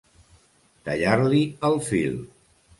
Tallar-li el fil.